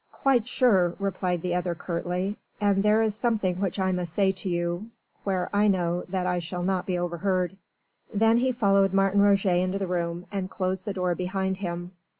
"Quite sure," replied the other curtly. "And there is something which I must say to you ... where I know that I shall not be overheard." Then he followed Martin Roget into the room and closed the door behind him.